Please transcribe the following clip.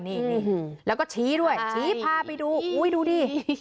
พี่ธนพรนี่แหละแล้วก็ชี้ด้วยชี้พาไปดูดูดิ